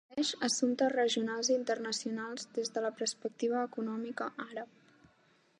Cobreix assumptes regionals i internacionals des de la perspectiva econòmica àrab.